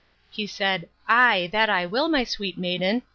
He said, Ay, that I will, my sweet maiden!